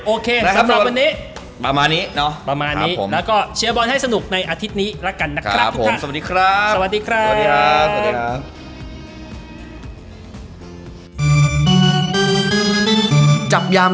โอเคสำหรับวันนี้ประมาณนี้เนอะแล้วก็เชียวบอลให้สนุกในอาทิตย์นี้แล้วกันนะครับทุกท่าน